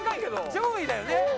上位だよね。